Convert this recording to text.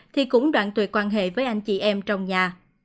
thì cũng đoạn tuyệt quan hệ với anh chị em trong nhà